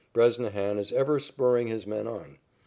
Bresnahan is ever spurring his men on.